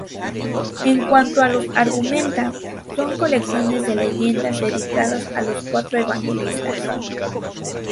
En cuanto a los "Argumenta", son colecciones de leyendas dedicadas a los cuatro Evangelistas.